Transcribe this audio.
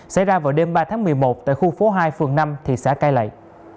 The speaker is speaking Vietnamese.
xảy ra vào đêm ba tháng một mươi một tại khu phố hai phường năm thị xã cai lậy